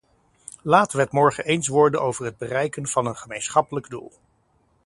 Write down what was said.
Laten we het morgen eens worden over het bereiken van een gemeenschappelijk doel.